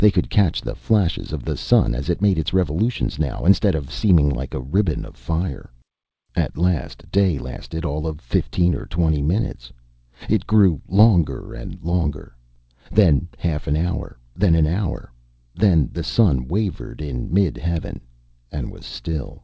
They could catch the flashes of the sun as it made its revolutions now, instead of its seeming like a ribbon of fire. At last day lasted all of fifteen or twenty minutes. It grew longer and longer. Then half an hour, then an hour. The sun wavered in midheaven and was still.